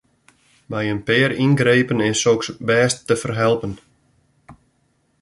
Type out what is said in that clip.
Mei in pear yngrepen is soks bêst te ferhelpen.